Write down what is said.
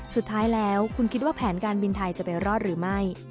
สุดท้ายแล้วคุณคิดว่าแผนการบินไทยจะไปรอดหรือไม่